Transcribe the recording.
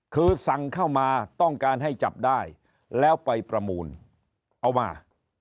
คือสั่งเข้ามาต้องการให้จับได้แล้วไปประมูลเอามา